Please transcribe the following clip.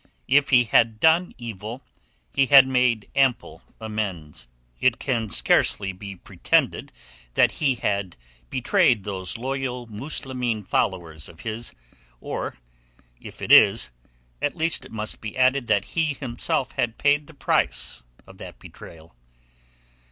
If he had done evil he had made ample amends. It can scarcely be pretended that he had betrayed those loyal Muslimeen followers of his, or, if it is, at least it must be added that he himself had paid the price of that betrayal.